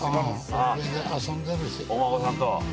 お孫さんと。